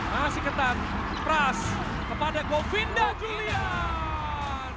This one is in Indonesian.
masih ketat pras kepada govinda julian